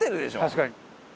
確かに。